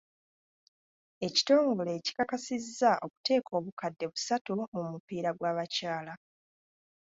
Ekitongole kikakasizza okuteeka obukadde busatu mu mupiira gw'abakyala.